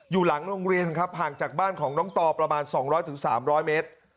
อยู่หลังโรงเรียนครับห่างจากบ้านของน้องต่อประมาณ๒๐๐๓๐๐เมตร